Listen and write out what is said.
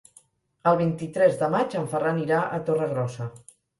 El vint-i-tres de maig en Ferran irà a Torregrossa.